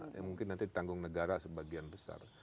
ya mungkin nanti tanggung negara sebagian besar